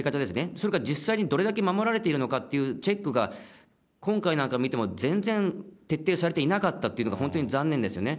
それが実際にどれだけ守られているのかっていうチェックが今回なんか見ても、全然徹底されていなかったっていうのが、本当に残念ですよね。